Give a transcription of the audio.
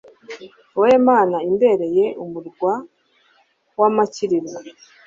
wowe Mana imbereye umurwa w’amakiriro